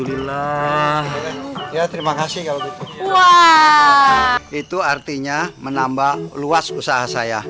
itu artinya menambah luas usaha saya